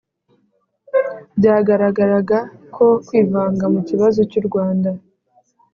byagaragaraga ko kwivanga mu kibazo cy'u rwanda